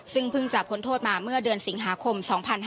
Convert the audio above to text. ซึ่งเพิ่งจะพ้นโทษมาเมื่อเดือนสิงหาคม๒๕๕๙